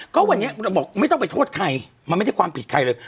ก็วันนี้บอกไม่ต้องไปโทษใครมันไม่ได้ความผิดใครเลย